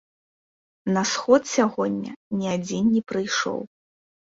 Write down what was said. На сход сягоння ні адзін не прыйшоў.